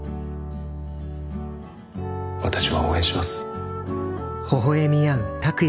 私は応援します。